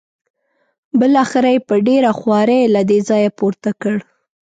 بالاخره یې په ډېره خوارۍ له دې ځایه پورته کړ.